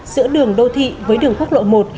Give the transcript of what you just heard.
giữa đường đô thị với đường quốc lộ một